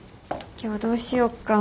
今日どうしよっか。